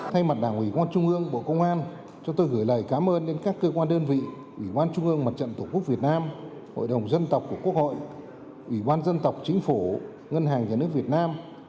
thay mặt đảng ủy quan trung ương bộ công an chúng tôi gửi lời cảm ơn đến các cơ quan đơn vị ủy ban trung ương mặt trận tổ quốc việt nam hội đồng dân tộc của quốc hội ủy ban dân tộc chính phủ ngân hàng nhà nước việt nam